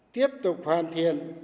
tiếp tục hoàn thiện